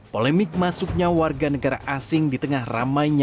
polemik masuknya warga negara asing di tengah ramainya